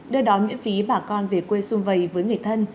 đưa đón miễn phí bà con về quê xung vầy với người thân